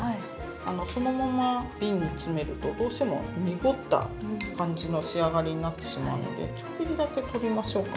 そのまま瓶に詰めるとどうしても濁った感じの仕上がりになってしまうのでちょっぴりだけ取りましょうか。